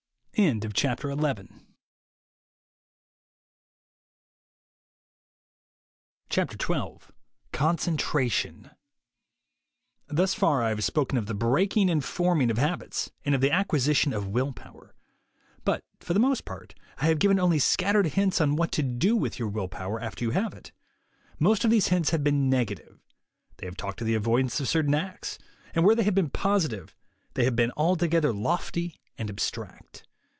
XII CONCENTRATION HpHUS far I have spoken of the breaking and ■■ forming of habits, and of the acquisition of will power ; but for the most part I have given only scattered hints on what to do with your will power after you have it. Most of these hints have been negative; they have talked of the avoidance of certain acts; and where they have been positive, where they have talked of the performance of acts, they have been altogether lofty and abstract.